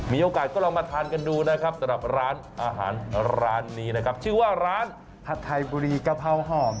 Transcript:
มีโอกาสก็ลองมาทานกันดูนะครับสำหรับร้านอาหารร้านนี้นะครับ